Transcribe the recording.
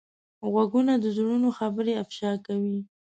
غوږونه د زړونو خبرې افشا کوي